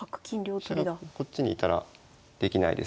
飛車がこっちにいたらできないですよね。